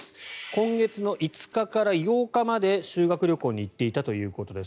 今月の５日から８日まで修学旅行に行っていたということです。